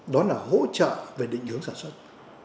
đó là hỗ trợ về định hướng sản xuất